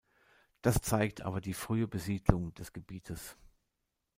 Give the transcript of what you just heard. Das zeigt aber die frühe Besiedlung des Gebietes.